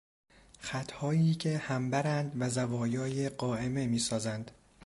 خطهایی که همبرند و زوایای قائمه میسازند